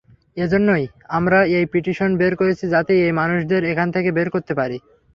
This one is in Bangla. এজন্যই আমরা এই পিটিশন বের করেছি যাতে এই মানুষদের এখান থেকে বের করতে পারি।